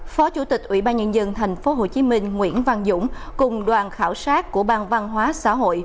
phó chủ tịch ủy ban nhân dân thành phố hồ chí minh nguyễn văn dũng cùng đoàn khảo sát của ban văn hóa xã hội